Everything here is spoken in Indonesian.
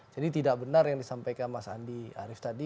jadi tidak benar yang disampaikan mas andi arief tadi